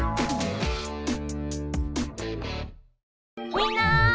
みんな！